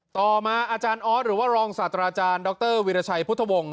ต่อมาอาจารย์ออสหรือว่ารองศาสตราจารย์ดรวิรชัยพุทธวงศ์